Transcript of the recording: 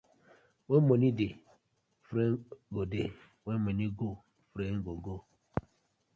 When money dey, friend go dey, when money go, friend go go.